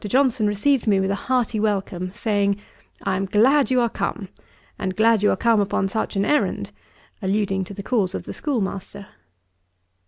Johnson received me with a hearty welcome; saying, 'I am glad you are come, and glad you are come upon such an errand:' (alluding to the cause of the schoolmaster.)